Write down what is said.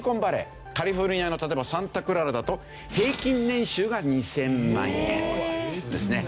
カリフォルニアの例えばサンタクララだと平均年収が２０００万円ですね。